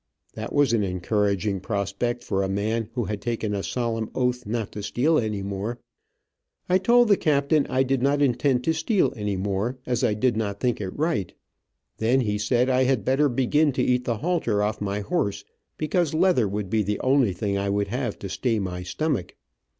That was an encouraging prospect for a man who had taken a solemn oath not to steal any more. I told the captain I did not intend to steal any more, as I did not think it right. Then he said I better begin to eat the halter off my horse, because leather would be the only thing I would have to stay my stomach.